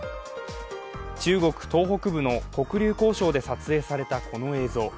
中国東北部の黒竜江省で撮影されたこの映像。